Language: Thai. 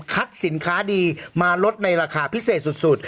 สินค้าดีมาลดในราคาพิเศษสุด